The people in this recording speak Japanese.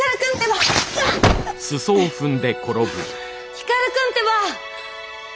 光くんってば！